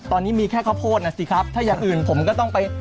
ตอนนี้มีแค่ข้าวโพดนะสิครับถ้าอย่างอื่นผมก็ต้องไป